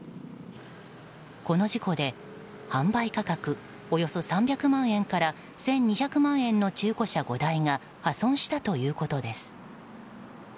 この事故で販売価格およそ３００万円から１２００万円の中古車５台が破損したということです。